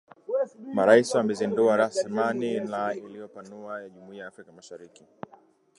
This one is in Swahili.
Marais wamezindua ramani iliyopanuliwa ya Jumuiya ya Afrika Mashariki